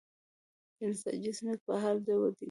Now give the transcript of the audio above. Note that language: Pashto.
د نساجي صنعت په حال د ودې دی